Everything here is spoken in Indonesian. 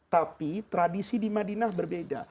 tapi tradisi di madinah berbeda